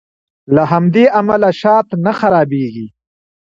له همدې امله شات نه خرابیږي.